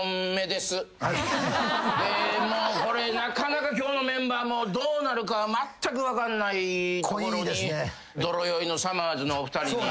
でもうこれなかなか今日のメンバーもどうなるかまったく分かんないところに泥酔いのさまぁずのお二人に。